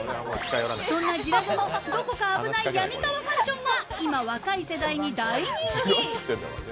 そんなジラジョのどこか危ない病みかわファッションが今、若い世代に大人気。